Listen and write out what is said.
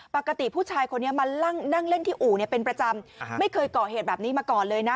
ปกติผู้ชายคนนี้มานั่งเล่นที่อู่เป็นประจำไม่เคยก่อเหตุแบบนี้มาก่อนเลยนะ